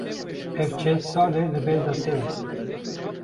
Ev çend sal e li benda te me.